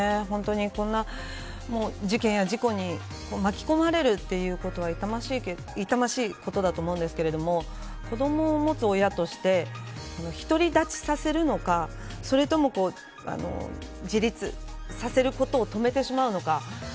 本当に、こんな事件や事故に巻き込まれるということは痛ましいことだと思うんですけれども子どもを持つ親としてひとり立ちさせるのかそれとも自立させることを止めてしまうのか